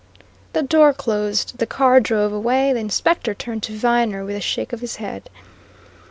The door closed; the car drove away; the Inspector turned to Viner with a shake of his head.